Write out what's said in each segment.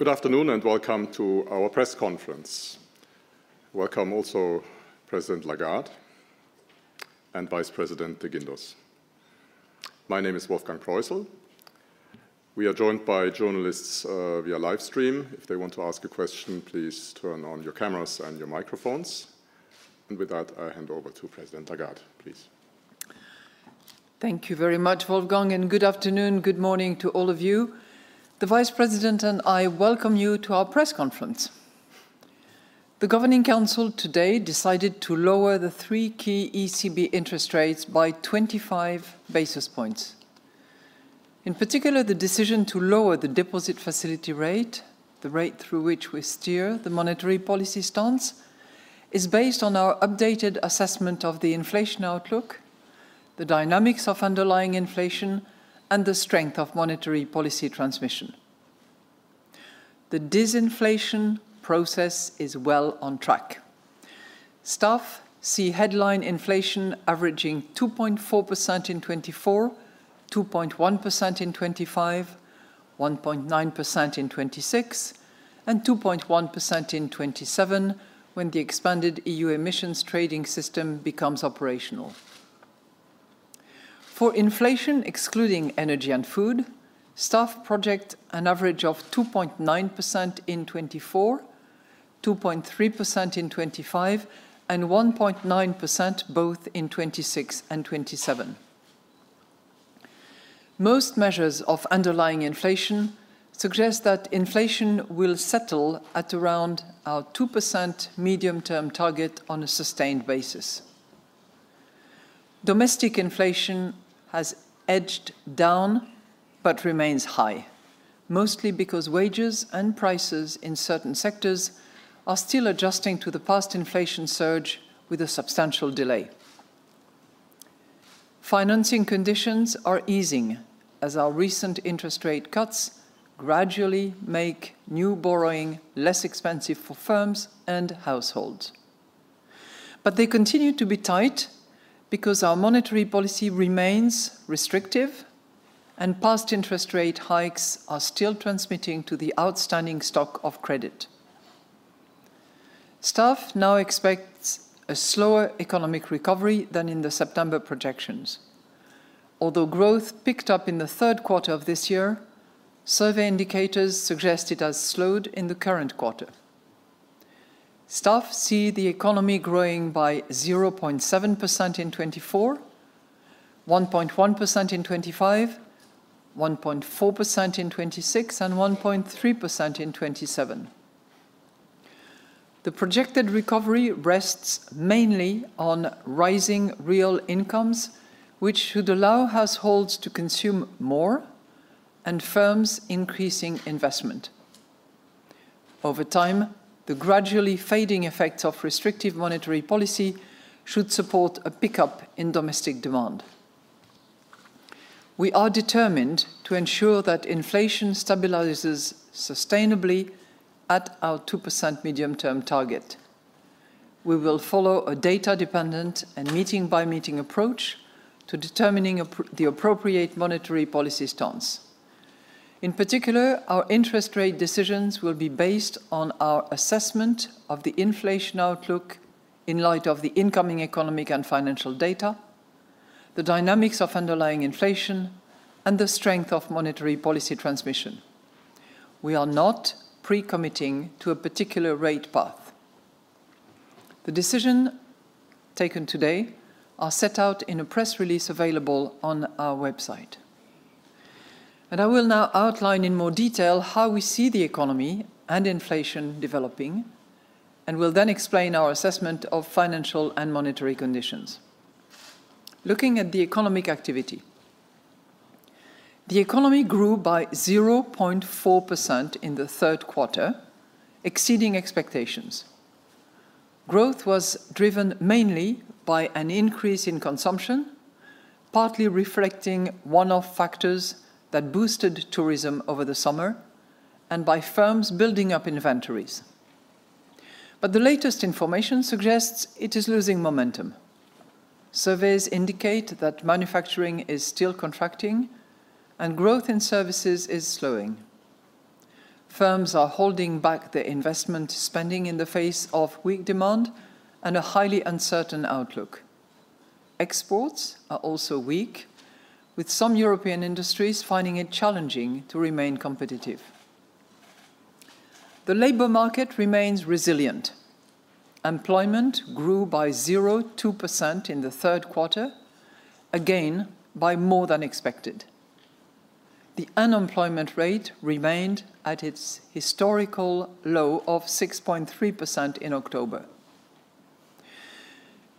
Good afternoon and welcome to our press conference. Welcome also President Lagarde and Vice President de Guindos. My name is Wolfgang Proissl. We are joined by journalists via livestream. If they want to ask a question, please turn on your cameras and your microphones. And with that, I hand over to President Lagarde, please. Thank you very much, Wolfgang, and good afternoon, good morning to all of you. The Vice President and I welcome you to our press conference. The Governing Council today decided to lower the three key ECB interest rates by 25 basis points. In particular, the decision to lower the deposit facility rate, the rate through which we steer the monetary policy stance, is based on our updated assessment of the inflation outlook, the dynamics of underlying inflation, and the strength of monetary policy transmission. The disinflation process is well on track. Staff see headline inflation averaging 2.4% in 2024, 2.1% in 2025, 1.9% in 2026, and 2.1% in 2027 when the expanded EU Emissions Trading System becomes operational. For inflation excluding energy and food, staff project an average of 2.9% in 2024, 2.3% in 2025, and 1.9% both in 2026 and 2027. Most measures of underlying inflation suggest that inflation will settle at around our 2% medium-term target on a sustained basis. Domestic inflation has edged down but remains high, mostly because wages and prices in certain sectors are still adjusting to the past inflation surge with a substantial delay. Financing conditions are easing as our recent interest rate cuts gradually make new borrowing less expensive for firms and households. But they continue to be tight because our monetary policy remains restrictive and past interest rate hikes are still transmitting to the outstanding stock of credit. Staff now expects a slower economic recovery than in the September projections. Although growth picked up in the third quarter of this year, survey indicators suggest it has slowed in the current quarter. Staff see the economy growing by 0.7% in 2024, 1.1% in 2025, 1.4% in 2026, and 1.3% in 2027. The projected recovery rests mainly on rising real incomes, which should allow households to consume more and firms increasing investment. Over time, the gradually fading effects of restrictive monetary policy should support a pickup in domestic demand. We are determined to ensure that inflation stabilizes sustainably at our 2% medium-term target. We will follow a data-dependent and meeting-by-meeting approach to determining the appropriate monetary policy stance. In particular, our interest rate decisions will be based on our assessment of the inflation outlook in light of the incoming economic and financial data, the dynamics of underlying inflation, and the strength of monetary policy transmission. We are not pre-committing to a particular rate path. The decisions taken today are set out in a press release available on our website. I will now outline in more detail how we see the economy and inflation developing, and will then explain our assessment of financial and monetary conditions. Looking at the economic activity, the economy grew by 0.4% in the third quarter, exceeding expectations. Growth was driven mainly by an increase in consumption, partly reflecting one of the factors that boosted tourism over the summer, and by firms building up inventories. But the latest information suggests it is losing momentum. Surveys indicate that manufacturing is still contracting and growth in services is slowing. Firms are holding back their investment spending in the face of weak demand and a highly uncertain outlook. Exports are also weak, with some European industries finding it challenging to remain competitive. The labor market remains resilient. Employment grew by 0.2% in the third quarter, again by more than expected. The unemployment rate remained at its historical low of 6.3% in October.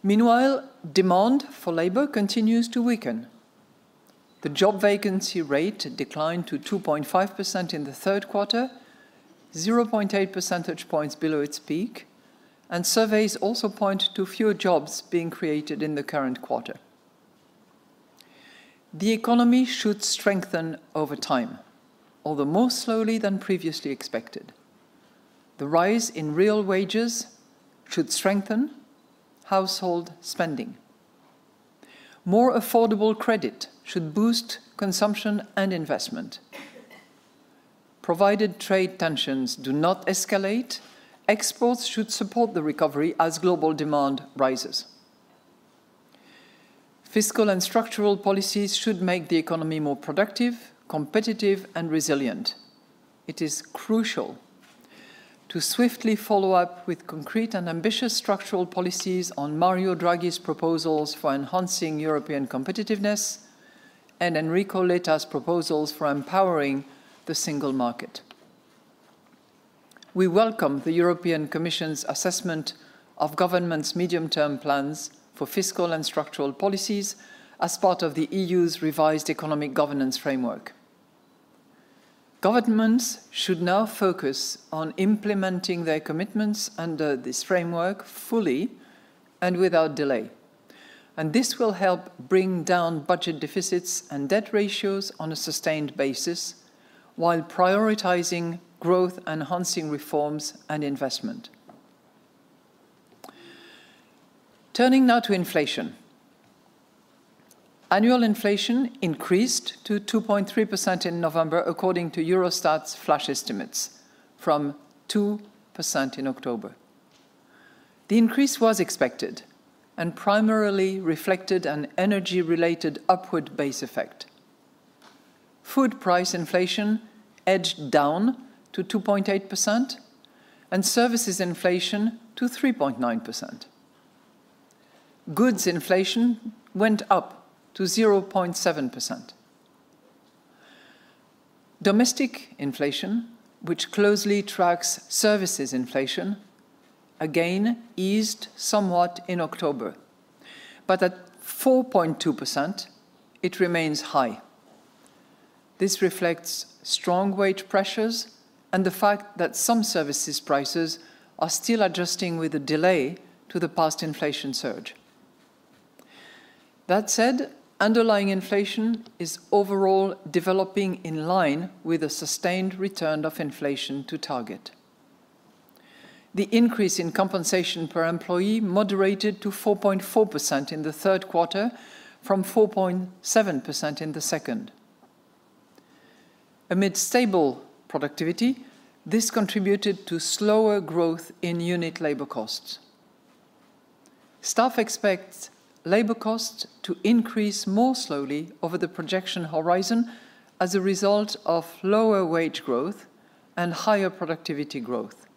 Meanwhile, demand for labor continues to weaken. The job vacancy rate declined to 2.5% in the third quarter, 0.8 percentage points below its peak, and surveys also point to fewer jobs being created in the current quarter. The economy should strengthen over time, although more slowly than previously expected. The rise in real wages should strengthen household spending. More affordable credit should boost consumption and investment. Provided trade tensions do not escalate, exports should support the recovery as global demand rises. Fiscal and structural policies should make the economy more productive, competitive, and resilient. It is crucial to swiftly follow up with concrete and ambitious structural policies on Mario Draghi's proposals for enhancing European competitiveness and Enrico Letta's proposals for empowering the Single Market. We welcome the European Commission's assessment of governments' medium-term plans for fiscal and structural policies as part of the EU's revised economic governance framework. Governments should now focus on implementing their commitments under this framework fully and without delay, and this will help bring down budget deficits and debt ratios on a sustained basis while prioritizing growth, enhancing reforms, and investment. Turning now to inflation. Annual inflation increased to 2.3% in November, according to Eurostat's flash estimates, from 2% in October. The increase was expected and primarily reflected an energy-related upward base effect. Food price inflation edged down to 2.8% and services inflation to 3.9%. Goods inflation went up to 0.7%. Domestic inflation, which closely tracks services inflation, again eased somewhat in October, but at 4.2%, it remains high. This reflects strong wage pressures and the fact that some services prices are still adjusting with a delay to the past inflation surge. That said, underlying inflation is overall developing in line with a sustained return of inflation to target. The increase in compensation per employee moderated to 4.4% in the third quarter from 4.7% in the second. Amid stable productivity, this contributed to slower growth in unit labor costs. Staff expect labor costs to increase more slowly over the projection horizon as a result of lower wage growth and higher productivity growth.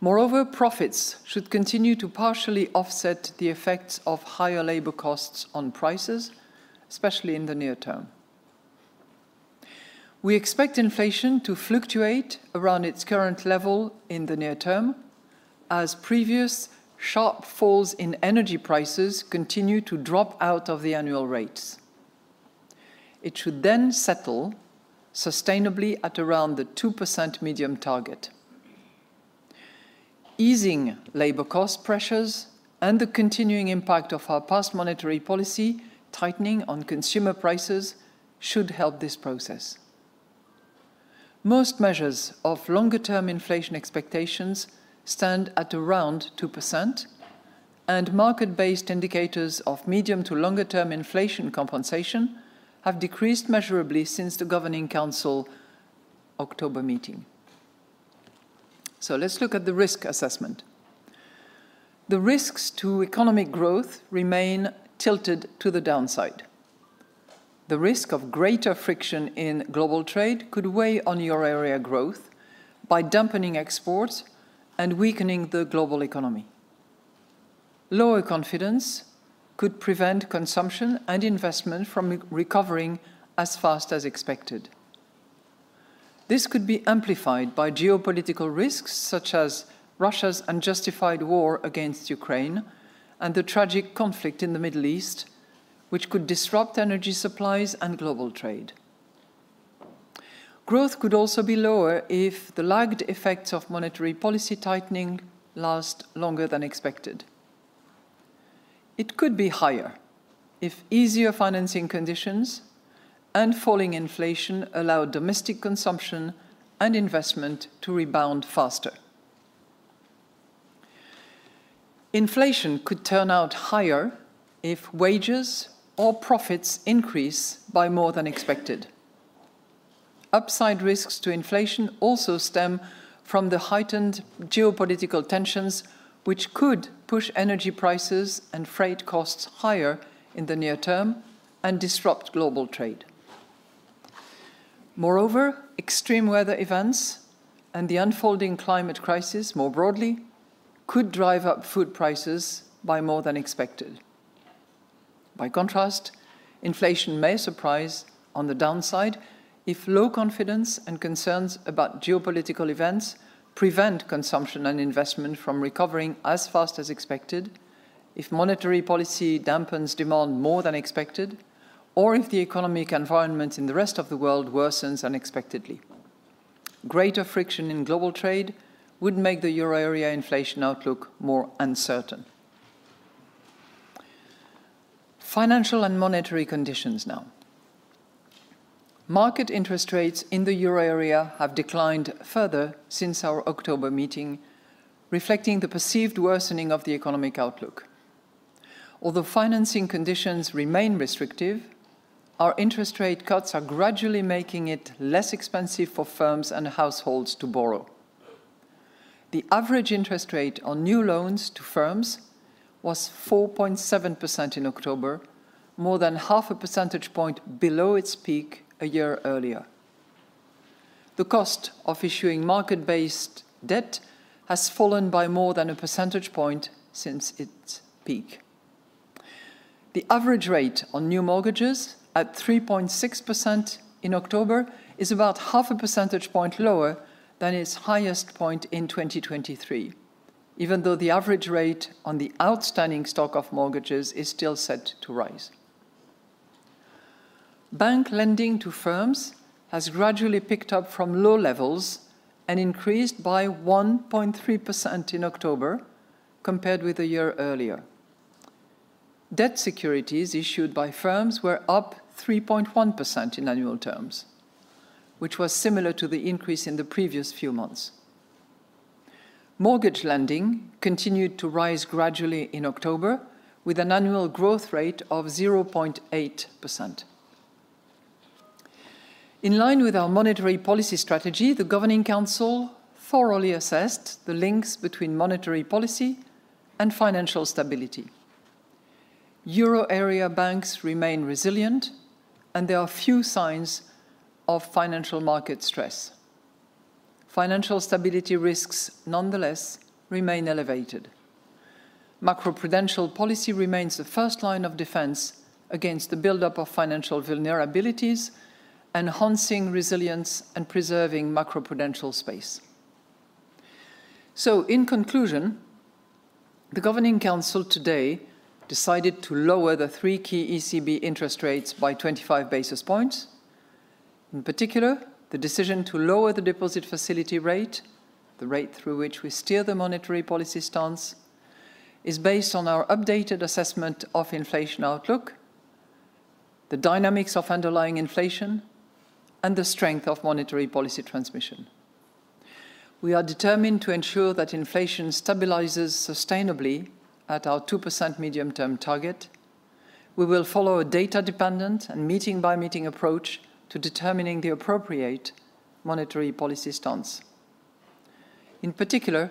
Moreover, profits should continue to partially offset the effects of higher labor costs on prices, especially in the near term. We expect inflation to fluctuate around its current level in the near term as previous sharp falls in energy prices continue to drop out of the annual rates. It should then settle sustainably at around the 2% medium target. Easing labor cost pressures and the continuing impact of our past monetary policy tightening on consumer prices should help this process. Most measures of longer-term inflation expectations stand at around 2%, and market-based indicators of medium to longer-term inflation compensation have decreased measurably since the Governing Council October meeting. So let's look at the risk assessment. The risks to economic growth remain tilted to the downside. The risk of greater friction in global trade could weigh on euro area growth by dampening exports and weakening the global economy. Lower confidence could prevent consumption and investment from recovering as fast as expected. This could be amplified by geopolitical risks such as Russia's unjustified war against Ukraine and the tragic conflict in the Middle East, which could disrupt energy supplies and global trade. Growth could also be lower if the lagged effects of monetary policy tightening last longer than expected. It could be higher if easier financing conditions and falling inflation allow domestic consumption and investment to rebound faster. Inflation could turn out higher if wages or profits increase by more than expected. Upside risks to inflation also stem from the heightened geopolitical tensions, which could push energy prices and freight costs higher in the near term and disrupt global trade. Moreover, extreme weather events and the unfolding climate crisis more broadly could drive up food prices by more than expected. By contrast, inflation may surprise on the downside if low confidence and concerns about geopolitical events prevent consumption and investment from recovering as fast as expected, if monetary policy dampens demand more than expected, or if the economic environment in the rest of the world worsens unexpectedly. Greater friction in global trade would make the euro area inflation outlook more uncertain. Financial and monetary conditions now. Market interest rates in the euro area have declined further since our October meeting, reflecting the perceived worsening of the economic outlook. Although financing conditions remain restrictive, our interest rate cuts are gradually making it less expensive for firms and households to borrow. The average interest rate on new loans to firms was 4.7% in October, more than half a percentage point below its peak a year earlier. The cost of issuing market-based debt has fallen by more than a percentage point since its peak. The average rate on new mortgages at 3.6% in October is about half a percentage point lower than its highest point in 2023, even though the average rate on the outstanding stock of mortgages is still set to rise. Bank lending to firms has gradually picked up from low levels and increased by 1.3% in October compared with a year earlier. Debt securities issued by firms were up 3.1% in annual terms, which was similar to the increase in the previous few months. Mortgage lending continued to rise gradually in October, with an annual growth rate of 0.8%. In line with our monetary policy strategy, the Governing Council thoroughly assessed the links between monetary policy and financial stability. Euro area banks remain resilient, and there are few signs of financial market stress. Financial stability risks, nonetheless, remain elevated. Macroprudential policy remains the first line of defense against the buildup of financial vulnerabilities, enhancing resilience and preserving macroprudential space. So, in conclusion, the Governing Council today decided to lower the three key ECB interest rates by 25 basis points. In particular, the decision to lower the deposit facility rate, the rate through which we steer the monetary policy stance, is based on our updated assessment of inflation outlook, the dynamics of underlying inflation, and the strength of monetary policy transmission. We are determined to ensure that inflation stabilizes sustainably at our 2% medium-term target. We will follow a data-dependent and meeting-by-meeting approach to determining the appropriate monetary policy stance. In particular,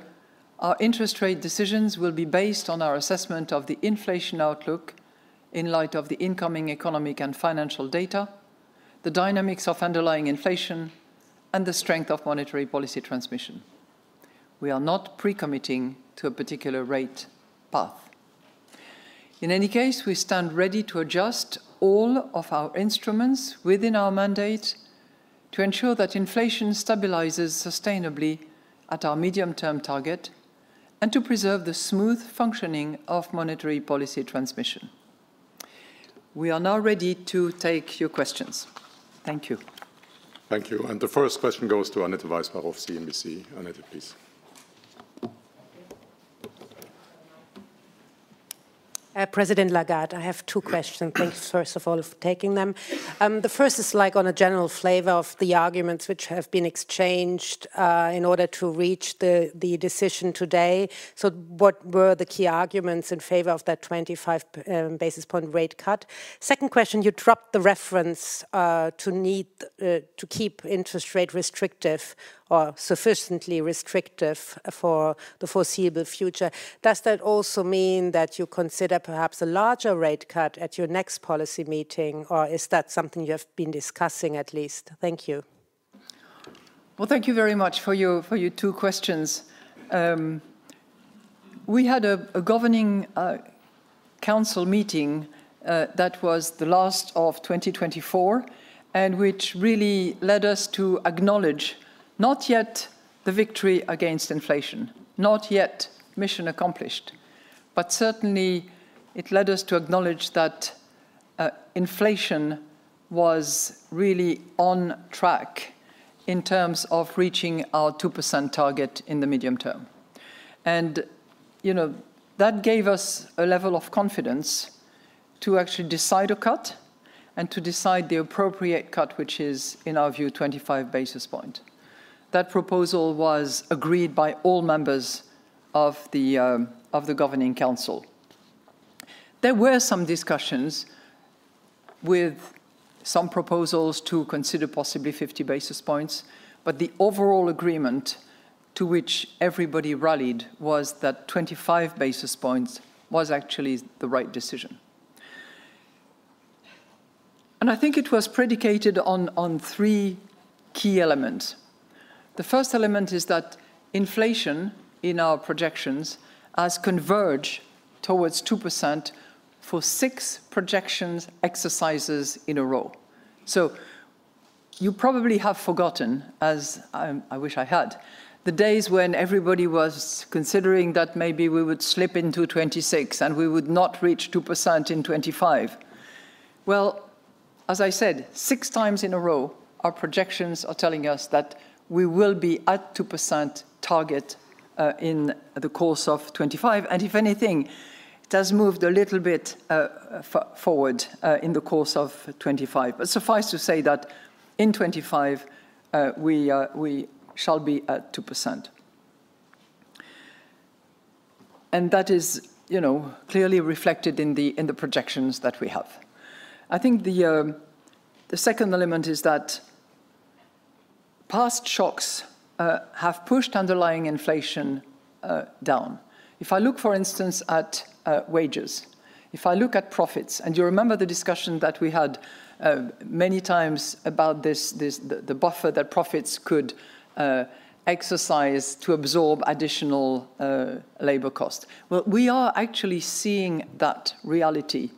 our interest rate decisions will be based on our assessment of the inflation outlook in light of the incoming economic and financial data, the dynamics of underlying inflation, and the strength of monetary policy transmission. We are not pre-committing to a particular rate path. In any case, we stand ready to adjust all of our instruments within our mandate to ensure that inflation stabilizes sustainably at our medium-term target and to preserve the smooth functioning of monetary policy transmission. We are now ready to take your questions. Thank you. Thank you. And the first question goes to Annette Weisbach of CNBC. Annette please. President Lagarde, I have two questions. Thanks, first of all, for taking them. The first is like on a general flavor of the arguments which have been exchanged in order to reach the decision today. So, what were the key arguments in favor of that 25 basis points rate cut? Second question, you dropped the reference to need to keep interest rate restrictive or sufficiently restrictive for the foreseeable future. Does that also mean that you consider perhaps a larger rate cut at your next policy meeting, or is that something you have been discussing at least? Thank you. Well, thank you very much for your two questions. We had a Governing Council meeting that was the last of 2024, and which really led us to acknowledge not yet the victory against inflation, not yet mission accomplished. But certainly, it led us to acknowledge that inflation was really on track in terms of reaching our 2% target in the medium term. And that gave us a level of confidence to actually decide a cut and to decide the appropriate cut, which is, in our view, 25 basis points. That proposal was agreed by all members of the Governing Council. There were some discussions with some proposals to consider possibly 50 basis points, but the overall agreement to which everybody rallied was that 25 basis points was actually the right decision. And I think it was predicated on three key elements. The first element is that inflation in our projections has converged towards 2% for six projections exercises in a row. So, you probably have forgotten, as I wish I had, the days when everybody was considering that maybe we would slip into 2026 and we would not reach 2% in 2025. Well, as I said, six times in a row, our projections are telling us that we will be at 2% target in the course of 2025. And if anything, it has moved a little bit forward in the course of 2025. But suffice to say that in 2025, we shall be at 2%. That is clearly reflected in the projections that we have. I think the second element is that past shocks have pushed underlying inflation down. If I look, for instance, at wages, if I look at profits, and you remember the discussion that we had many times about the buffer that profits could exercise to absorb additional labor costs. We are actually seeing that reality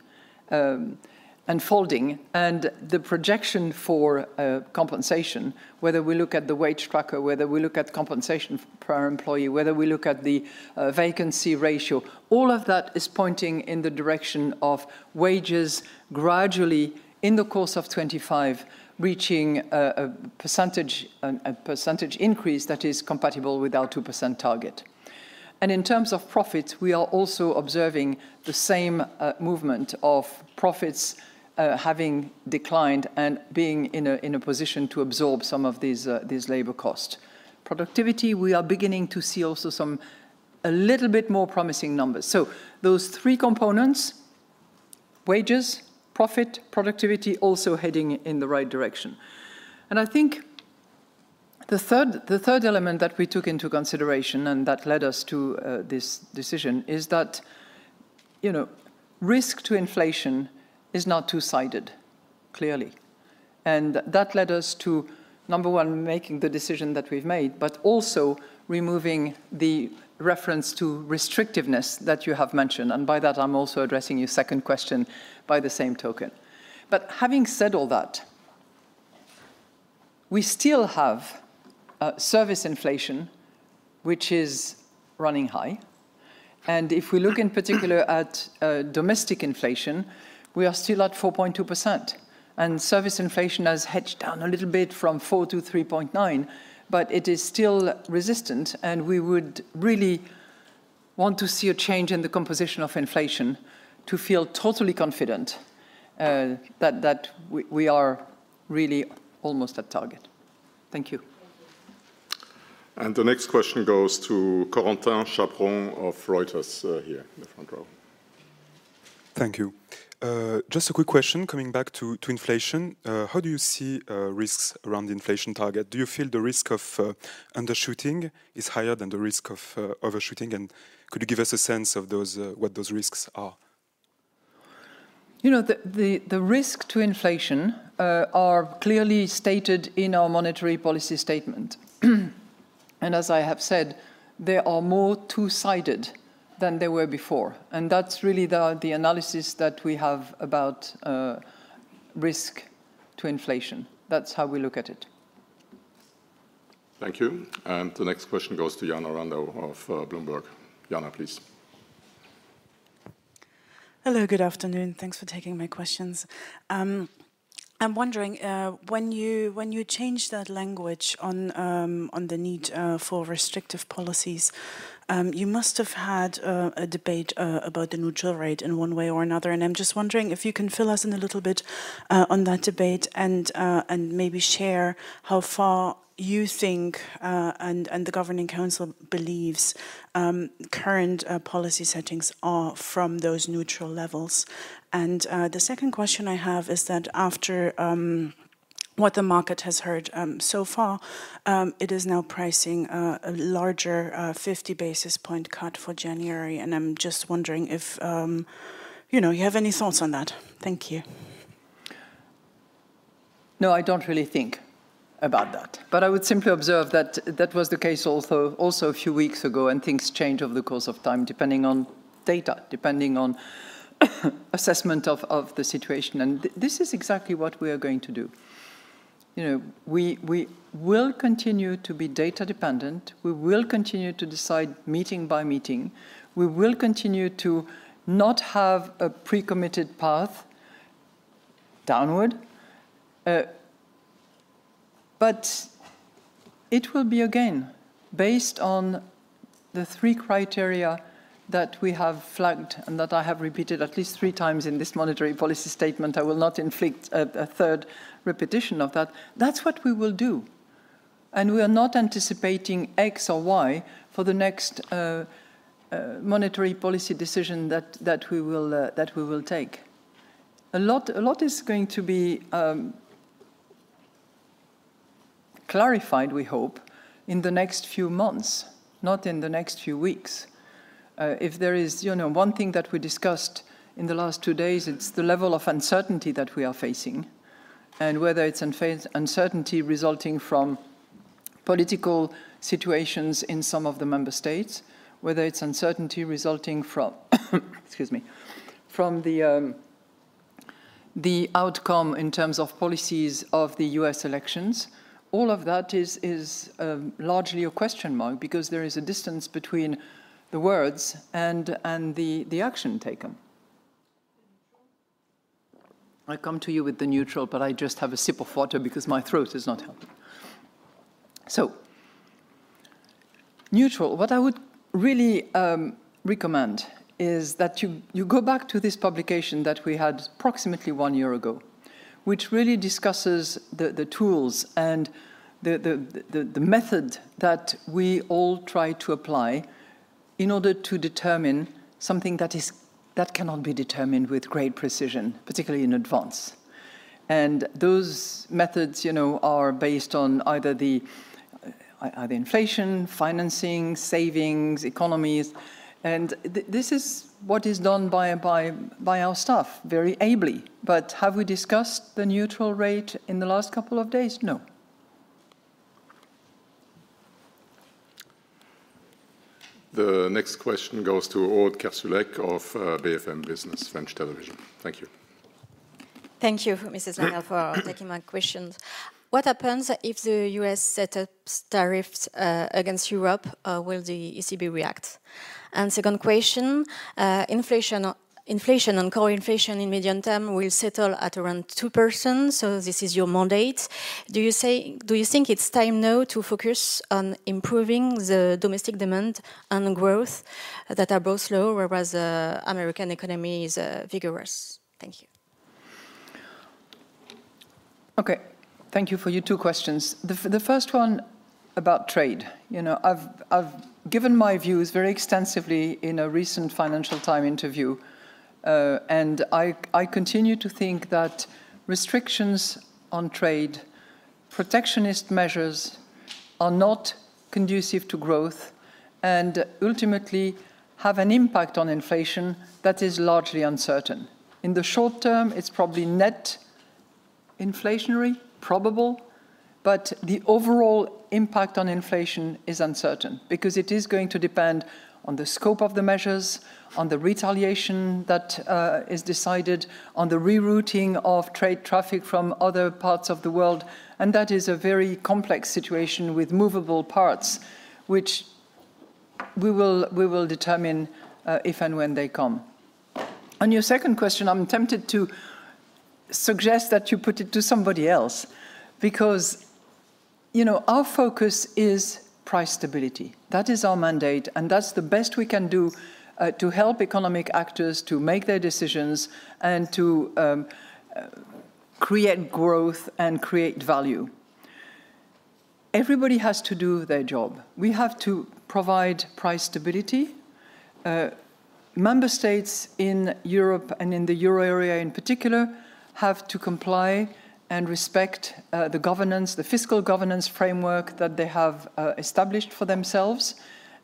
unfolding, and the projection for compensation, whether we look at the wage tracker, whether we look at compensation per employee, whether we look at the vacancy ratio, all of that is pointing in the direction of wages gradually, in the course of 2025, reaching a percentage increase that is compatible with our 2% target. In terms of profits, we are also observing the same movement of profits having declined and being in a position to absorb some of these labor costs. Productivity, we are beginning to see also some a little bit more promising numbers. So, those three components, wages, profits, productivity, also heading in the right direction. And I think the third element that we took into consideration and that led us to this decision is that risk to inflation is not two-sided, clearly. And that led us to, number one, making the decision that we've made, but also removing the reference to restrictiveness that you have mentioned. And by that, I'm also addressing your second question by the same token. But having said all that, we still have service inflation, which is running high. And if we look in particular at domestic inflation, we are still at 4.2%. And service inflation has edged down a little bit from 4% to 3.9%, but it is still resistant. We would really want to see a change in the composition of inflation to feel totally confident that we are really almost at target. Thank you. The next question goes to Corentin Chapron of Reuters here in the front row. Thank you. Just a quick question coming back to inflation. How do you see risks around the inflation target? Do you feel the risk of undershooting is higher than the risk of overshooting? And could you give us a sense of what those risks are? You know, the risks to inflation are clearly stated in our monetary policy statement, and as I have said, they are more two-sided than they were before, and that's really the analysis that we have about risk to inflation. That's how we look at it. Thank you. The next question goes to Jana Randow of Bloomberg. Yana, please. Hello, good afternoon. Thanks for taking my questions. I'm wondering, when you changed that language on the need for restrictive policies, you must have had a debate about the neutral rate in one way or another. And I'm just wondering if you can fill us in a little bit on that debate and maybe share how far you think and the Governing Council believes current policy settings are from those neutral levels. And the second question I have is that after what the market has heard so far, it is now pricing a larger 50 basis point cut for January. And I'm just wondering if you have any thoughts on that. Thank you. No, I don't really think about that. But I would simply observe that that was the case also a few weeks ago, and things change over the course of time, depending on data, depending on assessment of the situation. And this is exactly what we are going to do. We will continue to be data dependent. We will continue to decide meeting by meeting. We will continue to not have a pre-committed path downward. But it will be again based on the three criteria that we have flagged and that I have repeated at least three times in this monetary policy statement. I will not inflict a third repetition of that. That's what we will do. And we are not anticipating X or Y for the next monetary policy decision that we will take. A lot is going to be clarified, we hope, in the next few months, not in the next few weeks. If there is one thing that we discussed in the last two days, it's the level of uncertainty that we are facing and whether it's uncertainty resulting from political situations in some of the member states, whether it's uncertainty resulting from, excuse me, from the outcome in terms of policies of the U.S. elections. All of that is largely a question mark because there is a distance between the words and the action taken. I come to you with the neutral, but I just have a sip of water because my throat is not helping. So, neutral. What I would really recommend is that you go back to this publication that we had approximately one year ago, which really discusses the tools and the method that we all try to apply in order to determine something that cannot be determined with great precision, particularly in advance. Those methods are based on either the inflation, financing, savings, economies. This is what is done by our staff very ably. Have we discussed the neutral rate in the last couple of days? No. The next question goes to Aude Kersulec of BFM Business, French television. Thank you. Thank you, Mrs. Lagarde, for taking my questions. What happens if the U.S. sets tariffs against Europe? Will the ECB react? Second question, inflation and core inflation in medium term will settle at around 2%. This is your mandate. Do you think it's time now to focus on improving the domestic demand and growth that are both slow, whereas the American economy is vigorous? Thank you. Okay. Thank you for your two questions. The first one about trade. I've given my views very extensively in a recent Financial Times interview. And I continue to think that restrictions on trade, protectionist measures are not conducive to growth and ultimately have an impact on inflation that is largely uncertain. In the short term, it's probably net inflationary, probable, but the overall impact on inflation is uncertain because it is going to depend on the scope of the measures, on the retaliation that is decided, on the rerouting of trade traffic from other parts of the world. And that is a very complex situation with movable parts, which we will determine if and when they come. On your second question, I'm tempted to suggest that you put it to somebody else because our focus is price stability. That is our mandate, and that's the best we can do to help economic actors to make their decisions and to create growth and create value. Everybody has to do their job. We have to provide price stability. Member states in Europe and in the euro area in particular have to comply and respect the governance, the fiscal governance framework that they have established for themselves.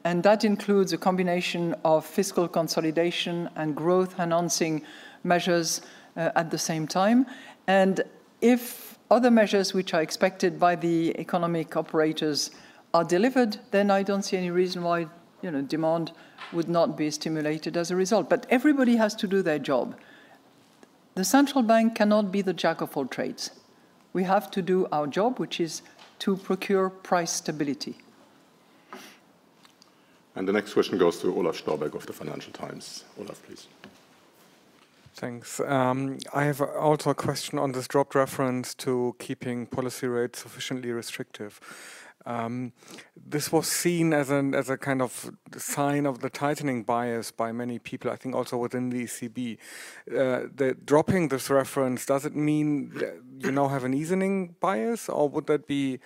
And that includes a combination of fiscal consolidation and growth-enhancing measures at the same time. And if other measures, which are expected by the economic operators, are delivered, then I don't see any reason why demand would not be stimulated as a result. But everybody has to do their job. The central bank cannot be the jack of all trades. We have to do our job, which is to procure price stability. And the next question goes to Olaf Storbeck of the Financial Times. Olaf, please. Thanks. I have also a question on this dropped reference to keeping policy rates sufficiently restrictive. This was seen as a kind of sign of the tightening bias by many people, I think also within the ECB. Dropping this reference, does it mean you now have an easing bias, or would that be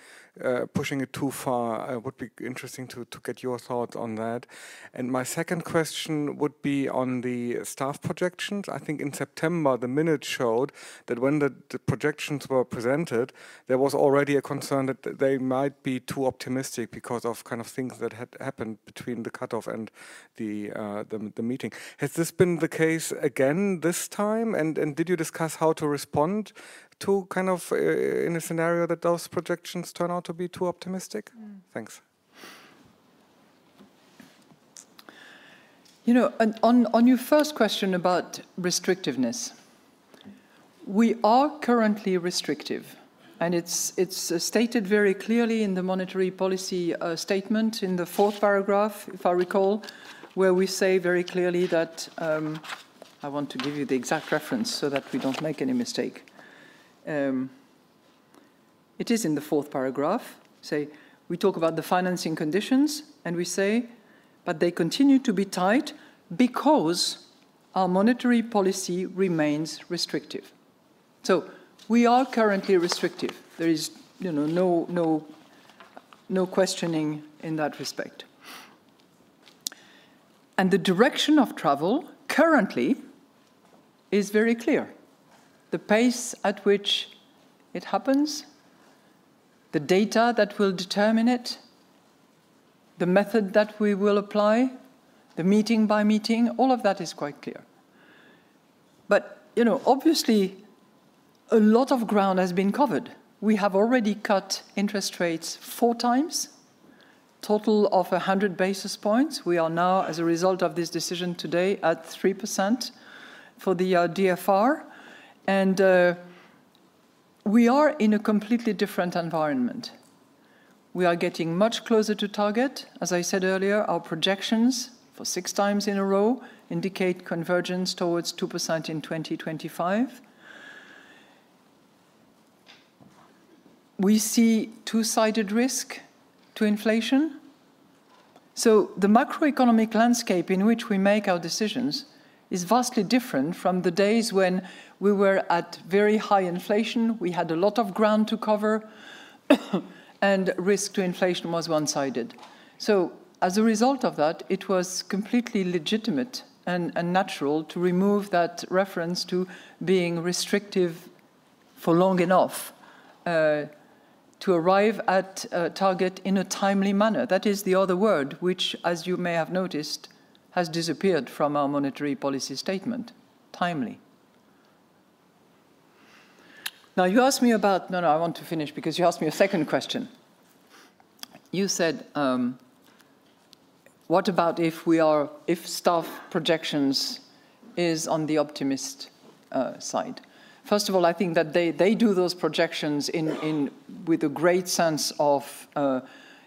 pushing it too far? It would be interesting to get your thoughts on that. And my second question would be on the staff projections. I think in September, the minutes showed that when the projections were presented, there was already a concern that they might be too optimistic because of kind of things that had happened between the cutoff and the meeting. Has this been the case again this time? And did you discuss how to respond to kind of in a scenario that those projections turn out to be too optimistic? Thanks. You know, on your first question about restrictiveness, we are currently restrictive. And it's stated very clearly in the monetary policy statement in the fourth paragraph, if I recall, where we say very clearly that I want to give you the exact reference so that we don't make any mistake. It is in the fourth paragraph. We talk about the financing conditions, and we say, "but they continue to be tight because our monetary policy remains restrictive." So, we are currently restrictive. There is no questioning in that respect. And the direction of travel currently is very clear. The pace at which it happens, the data that will determine it, the method that we will apply, the meeting by meeting, all of that is quite clear. But obviously, a lot of ground has been covered. We have already cut interest rates four times, total of 100 basis points. We are now, as a result of this decision today, at 3% for the DFR, and we are in a completely different environment. We are getting much closer to target. As I said earlier, our projections for six times in a row indicate convergence towards 2% in 2025. We see two-sided risk to inflation, so the macroeconomic landscape in which we make our decisions is vastly different from the days when we were at very high inflation. We had a lot of ground to cover, and risk to inflation was one-sided, so as a result of that, it was completely legitimate and natural to remove that reference to being restrictive for long enough to arrive at target in a timely manner. That is the other word, which, as you may have noticed, has disappeared from our monetary policy statement, timely. Now, you asked me about, no, no, I want to finish because you asked me a second question. You said, what about if staff projections are on the optimistic side? First of all, I think that they do those projections with a great sense of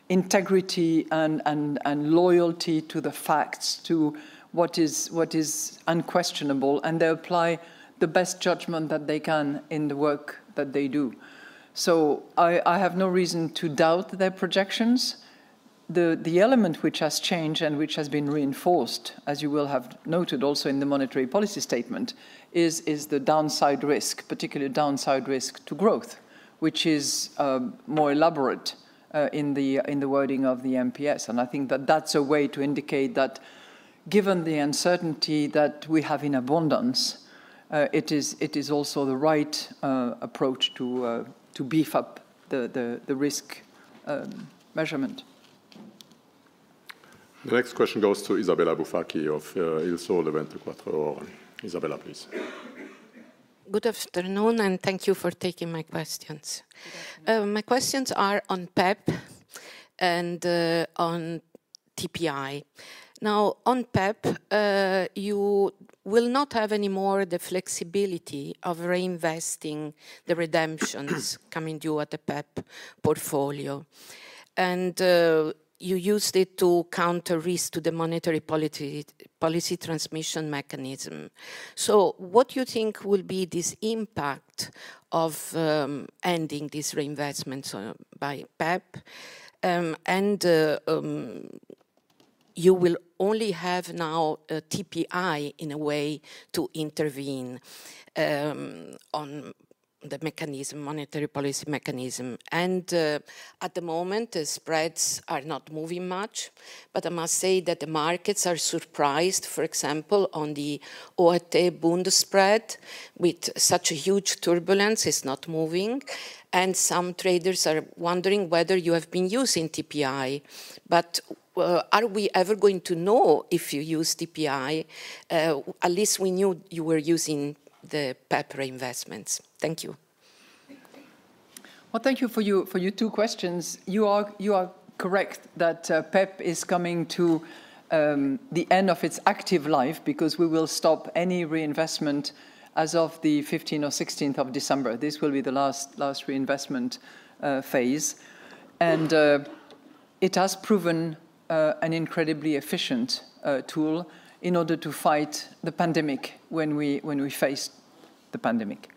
integrity and loyalty to the facts, to what is unquestionable, and they apply the best judgment that they can in the work that they do. So, I have no reason to doubt their projections. The element which has changed and which has been reinforced, as you will have noted also in the monetary policy statement, is the downside risk, particularly downside risk to growth, which is more elaborate in the wording of the MPS, and I think that that's a way to indicate that given the uncertainty that we have in abundance, it is also the right approach to beef up the risk measurement. The next question goes to Isabella Bufacchi of Il Sole 24 Ore. Isabella, please. Good afternoon, and thank you for taking my questions. My questions are on PEPP and on TPI. Now, on PEPP, you will not have anymore the flexibility of reinvesting the redemptions coming due at the PEPP portfolio. And you used it to counter risk to the monetary policy transmission mechanism. So, what do you think will be this impact of ending this reinvestment by PEPP? And you will only have now TPI in a way to intervene on the mechanism, monetary policy mechanism. And at the moment, the spreads are not moving much. But I must say that the markets are surprised, for example, on the OAT bond spread with such a huge turbulence. It's not moving. And some traders are wondering whether you have been using TPI. But are we ever going to know if you use TPI? At least we knew you were using the PEPP reinvestments. Thank you. Well, thank you for your two questions. You are correct that PEPP is coming to the end of its active life because we will stop any reinvestment as of the 15th or 16th of December. This will be the last reinvestment phase. And it has proven an incredibly efficient tool in order to fight the pandemic when we faced the pandemic.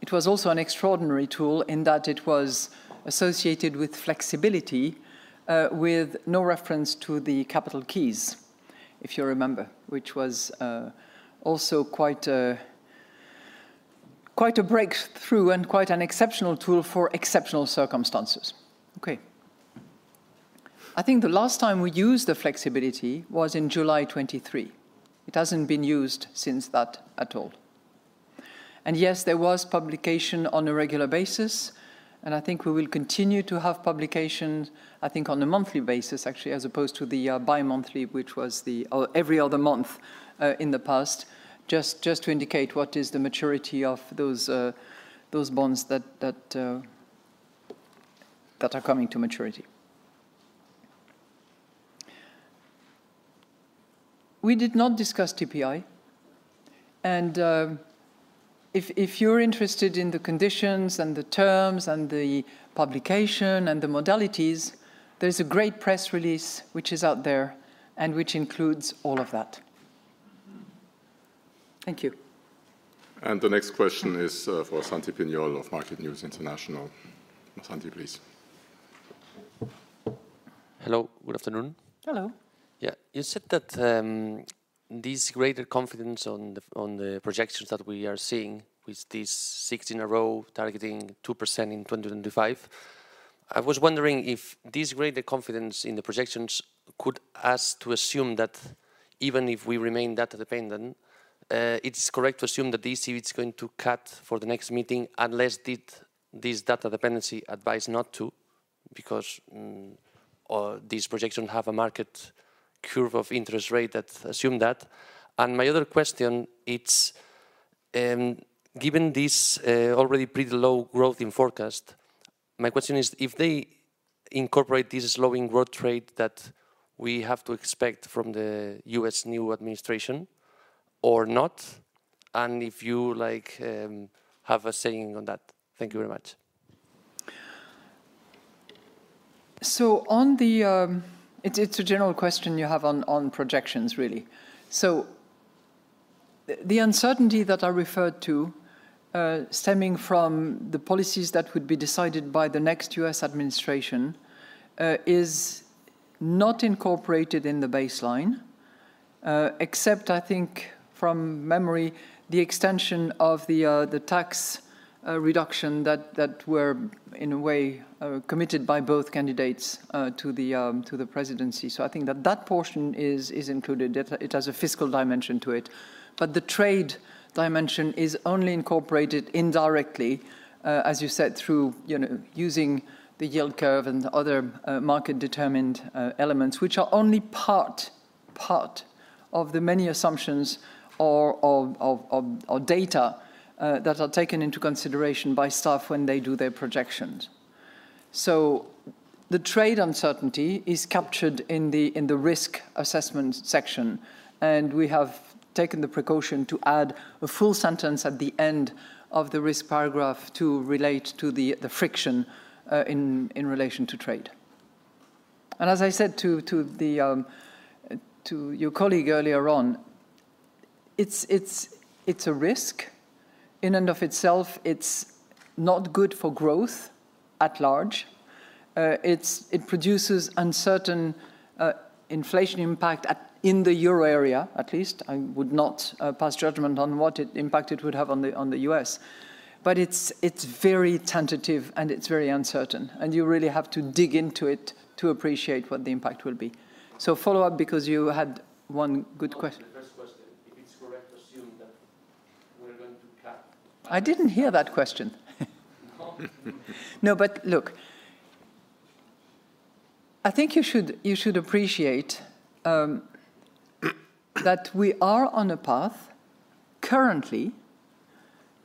It was also an extraordinary tool in that it was associated with flexibility, with no reference to the capital keys, if you remember, which was also quite a breakthrough and quite an exceptional tool for exceptional circumstances. Okay. I think the last time we used the flexibility was in July 2023. It hasn't been used since then at all. Yes, there was publication on a regular basis. I think we will continue to have publication, I think on a monthly basis, actually, as opposed to the bi-monthly, which was every other month in the past, just to indicate what is the maturity of those bonds that are coming to maturity. We did not discuss TPI. If you're interested in the conditions and the terms and the publication and the modalities, there's a great press release which is out there and which includes all of that. Thank you. The next question is for Santi Piñol of Market News International. Santi, please. Hello. Good afternoon. Hello. Yeah. You said that this greater confidence on the projections that we are seeing with these six in a row targeting 2% in 2025. I was wondering if this greater confidence in the projections could lead us to assume that even if we remain data dependent, it's correct to assume that the ECB is going to cut for the next meeting unless these data dependencies advise not to because these projections have a market curve of interest rates that assume that. And my other question, given this already pretty low growth forecast, my question is if they incorporate this slowing growth rate that we have to expect from the U.S. new administration or not. And if you have a say on that. Thank you very much. So, it's a general question you have on projections, really. The uncertainty that I referred to stemming from the policies that would be decided by the next U.S. administration is not incorporated in the baseline, except, I think from memory, the extension of the tax reduction that were in a way committed by both candidates to the presidency. I think that that portion is included. It has a fiscal dimension to it. The trade dimension is only incorporated indirectly, as you said, through using the yield curve and other market-determined elements, which are only part of the many assumptions or data that are taken into consideration by staff when they do their projections. The trade uncertainty is captured in the risk assessment section. We have taken the precaution to add a full sentence at the end of the risk paragraph to relate to the friction in relation to trade. And as I said to your colleague earlier on, it's a risk. In and of itself, it's not good for growth at large. It produces uncertain inflation impact in the euro area, at least. I would not pass judgment on what impact it would have on the U.S. But it's very tentative and it's very uncertain. And you really have to dig into it to appreciate what the impact will be. So, follow up because you had one good question. The first question, if it's correct to assume that we're going to cut. I didn't hear that question. No, but look, I think you should appreciate that we are on a path currently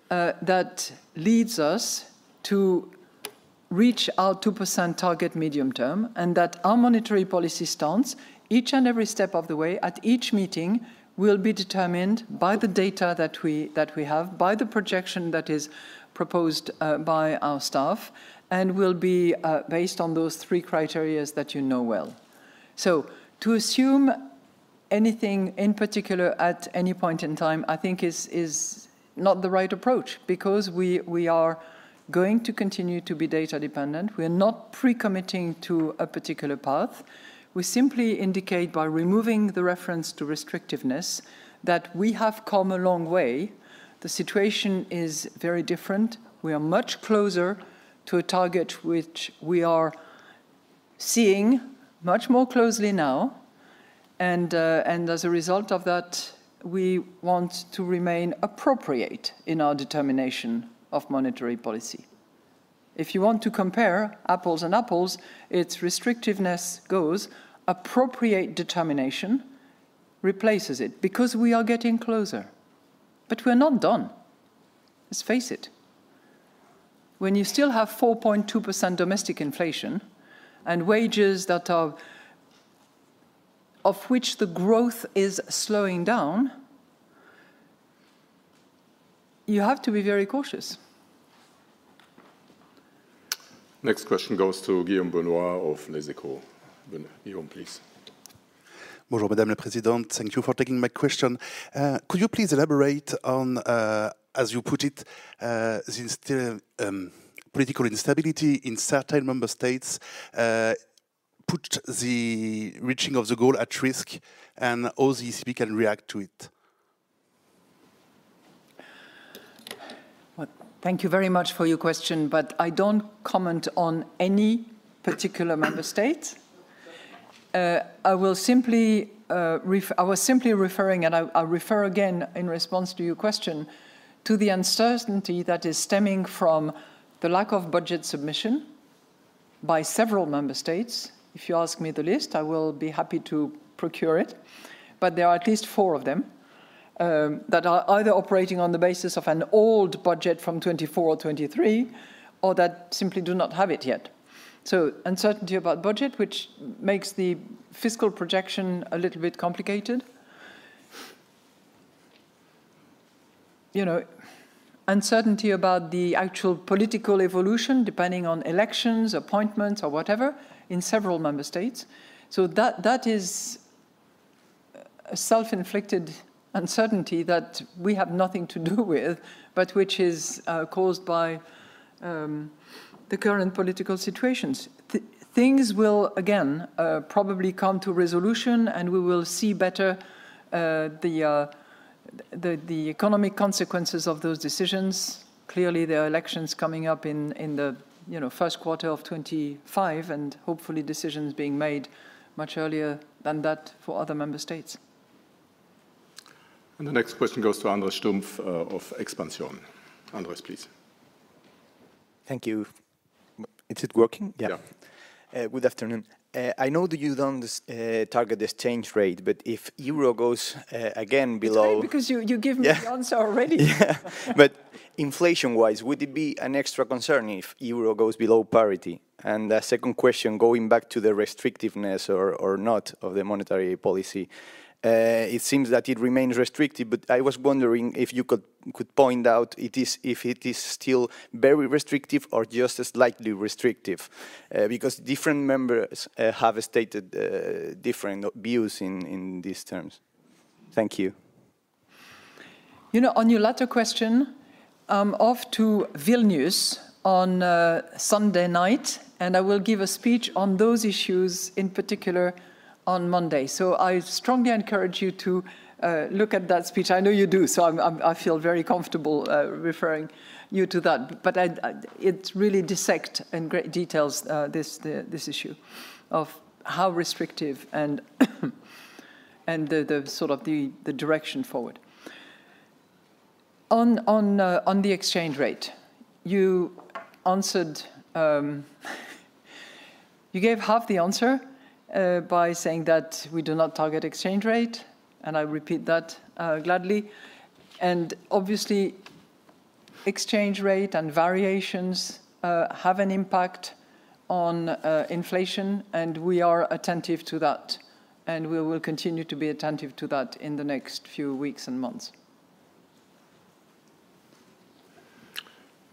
that leads us to reach our 2% target medium term and that our monetary policy stance, each and every step of the way at each meeting will be determined by the data that we have, by the projection that is proposed by our staff, and will be based on those three criteria that you know well. So, to assume anything in particular at any point in time, I think is not the right approach because we are going to continue to be data dependent. We are not pre-committing to a particular path. We simply indicate by removing the reference to restrictiveness that we have come a long way. The situation is very different. We are much closer to a target which we are seeing much more closely now. And as a result of that, we want to remain appropriate in our determination of monetary policy. If you want to compare apples and apples, its restrictiveness goes appropriate determination replaces it because we are getting closer. But we are not done. Let's face it. When you still have 4.2% domestic inflation and wages that are of which the growth is slowing down, you have to be very cautious. Next question goes to Guillaume Benoit of Les Echos. Guillaume, please. Bonjour, Madame la Présidente. Thank you for taking my question. Could you please elaborate on, as you put it, the political instability in certain member states put the reaching of the goal at risk and how the ECB can react to it? Thank you very much for your question, but I don't comment on any particular member state. I was simply referring, and I'll refer again in response to your question, to the uncertainty that is stemming from the lack of budget submission by several member states. If you ask me the list, I will be happy to procure it. But there are at least four of them that are either operating on the basis of an old budget from 2024 or 2023 or that simply do not have it yet. So, uncertainty about budget, which makes the fiscal projection a little bit complicated. Uncertainty about the actual political evolution depending on elections, appointments, or whatever in several member states. So, that is a self-inflicted uncertainty that we have nothing to do with, but which is caused by the current political situations. Things will, again, probably come to resolution, and we will see better the economic consequences of those decisions. Clearly, there are elections coming up in the first quarter of 2025 and hopefully decisions being made much earlier than that for other member states. And the next question goes to Andrés Stumpf of Expansión. Andrés, please. Thank you. Is it working? Yeah. Good afternoon. I know that you don't target this exchange rate, but if euro goes again below. Because you gave me the answer already. Yeah. But inflation-wise, would it be an extra concern if euro goes below parity? And the second question, going back to the restrictiveness or not of the monetary policy, it seems that it remains restrictive, but I was wondering if you could point out if it is still very restrictive or just slightly restrictive because different members have stated different views in these terms. Thank you. You know, on your latter question, I'm off to Vilnius on Sunday night, and I will give a speech on those issues in particular on Monday. So, I strongly encourage you to look at that speech. I know you do, so I feel very comfortable referring you to that. But it really dissects in great detail this issue of how restrictive and the sort of the direction forward. On the exchange rate, you gave half the answer by saying that we do not target exchange rate, and I repeat that gladly. And obviously, exchange rate and variations have an impact on inflation, and we are attentive to that. And we will continue to be attentive to that in the next few weeks and months.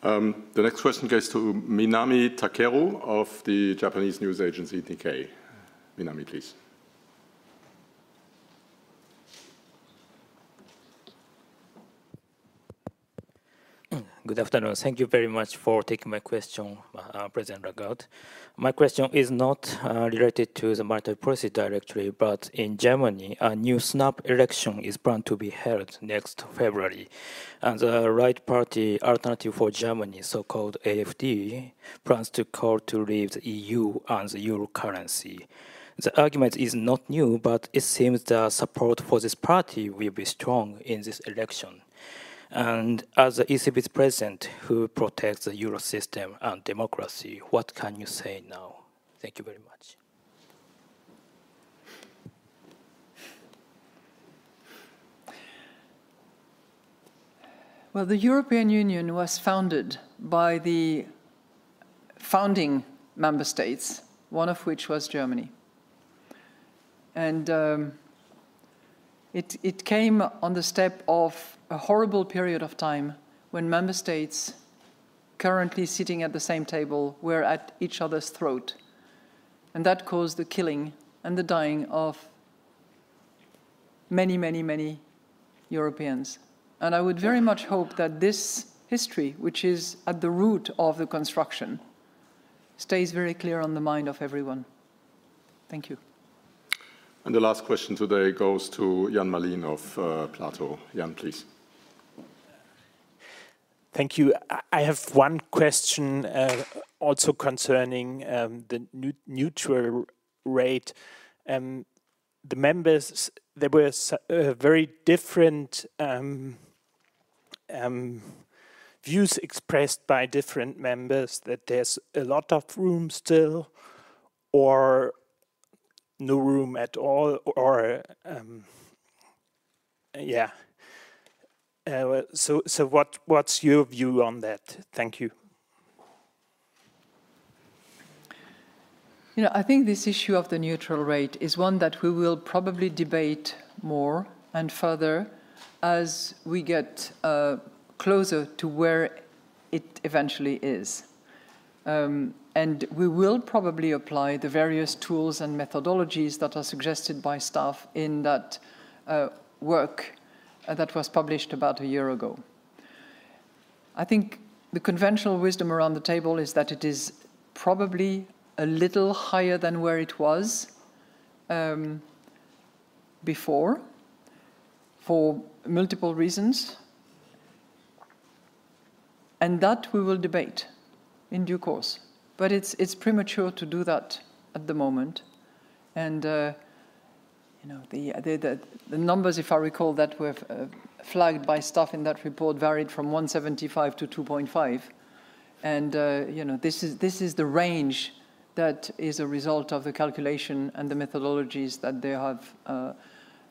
The next question goes to Minami Takeru of the Japanese news agency Nikkei. Minami, please. Good afternoon. Thank you very much for taking my question, President Lagarde. My question is not related to the Monetary Policy Directorate, but in Germany, a new snap election is planned to be held next February, and the right party Alternative for Germany, so-called AfD, plans to call to leave the EU and the euro currency. The argument is not new, but it seems the support for this party will be strong in this election, and as the ECB's president, who protects the Eurosystem and democracy, what can you say now? Thank you very much. Well, the European Union was founded by the founding member states, one of which was Germany, and it came on the step of a horrible period of time when member states currently sitting at the same table were at each other's throats. That caused the killing and the dying of many, many, many Europeans. And I would very much hope that this history, which is at the root of the construction, stays very clear on the mind of everyone. Thank you. And the last question today goes to Jan Mallien of Platow. Jan, please. Thank you. I have one question also concerning the neutral rate. The members, there were very different views expressed by different members that there's a lot of room still or no room at all. Or yeah. So, what's your view on that? Thank you. You know, I think this issue of the neutral rate is one that we will probably debate more and further as we get closer to where it eventually is. And we will probably apply the various tools and methodologies that are suggested by staff in that work that was published about a year ago. I think the conventional wisdom around the table is that it is probably a little higher than where it was before for multiple reasons, and that we will debate in due course. But it's premature to do that at the moment. And the numbers, if I recall, that were flagged by staff in that report varied from 1.75%-2.5%. And this is the range that is a result of the calculation and the methodologies that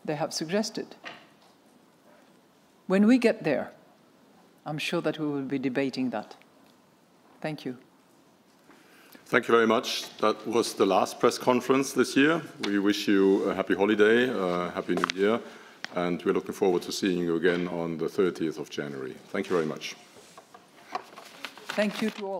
they have suggested. When we get there, I'm sure that we will be debating that. Thank you. Thank you very much. That was the last press conference this year. We wish you a happy holiday, a happy new year, and we're looking forward to seeing you again on the 30th of January. Thank you very much. Thank you to all.